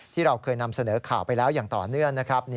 ที่เราเคยนำเสนอข่าวไปแล้วอย่างต่อเนื่องนะครับ